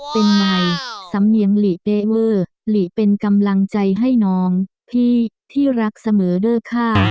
เป็นไมค์สำเนียงหลีเปเวอร์หลีเป็นกำลังใจให้น้องพี่ที่รักเสมอเด้อค่ะ